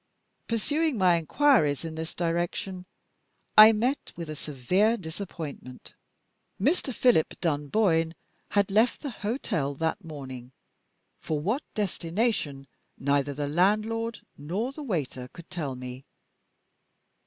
Pursuing my inquiries in this direction, I met with a severe disappointment. Mr. Philip Dunboyne had left the hotel that morning; for what destination neither the landlord nor the waiter could tell me.